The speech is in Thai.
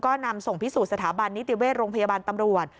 ก็นำส่งพิสูจนสถาบันนิติเวชโรงพยาบาลตำรวจ